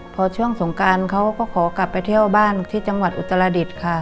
พอช่วงสงการเขาก็ขอกลับไปเที่ยวบ้านที่จังหวัดอุตรดิษฐ์ค่ะ